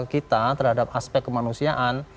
kita terhadap aspek kemanusiaan